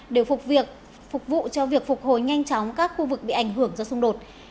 đều phục vụ cho việc phục hồi nhanh chóng các khu vực bị ảnh hưởng do xung đột